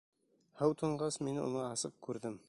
Һыу тонғас, мин уны асыҡ күрҙем.